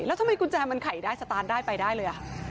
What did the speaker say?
แล้วทำไมกุญแจมันไขได้สตาร์ทได้ไปได้เลย